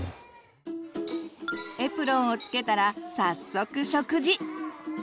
エプロンをつけたら早速食事！